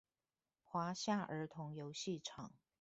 華夏兒童遊戲場